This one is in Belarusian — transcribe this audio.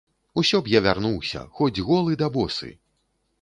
Усё б я вярнуўся, хоць голы да босы!